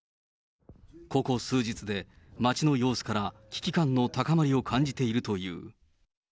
ここ数日で、街の様子から危機感の高まりを感じているという。